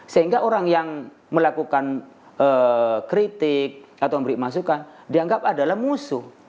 sehingga orang yang melakukan kritik dianggap adalah musuh